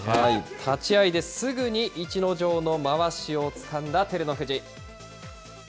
立ち合いですぐに逸ノ城のまわしをつかんだ照ノ富士。